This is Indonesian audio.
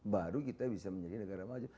baru kita bisa menjadi negara maju